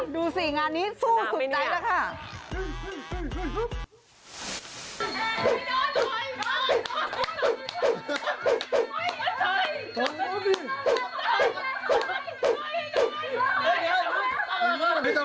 ดูสิงานนี้สู้สุดใจแล้วค่ะ